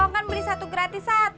kan beli satu gratis satu